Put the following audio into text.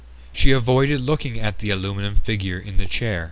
She avoided looking at the aluminum figure in the chair.